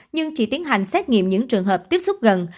nhưng chỉ tiến hành xét nghiệm những trường hợp tiếp xúc gần